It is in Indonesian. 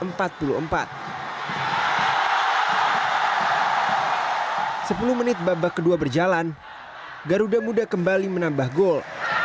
sepuluh menit babak kedua berjalan garuda muda kembali menambah gol